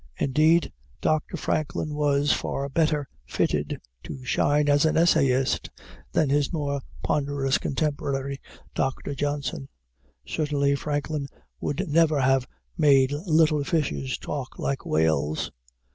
Indeed, Dr. Franklin was far better fitted to shine as an essayist than his more ponderous contemporary, Dr. Johnson; certainly Franklin would never have "made little fishes talk like whales."